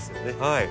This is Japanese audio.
はい。